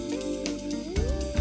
dan membuat bian